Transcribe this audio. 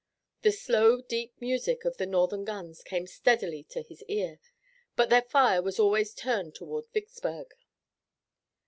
The slow, deep music of the Northern guns came steadily to his ear, but their fire was always turned toward Vicksburg.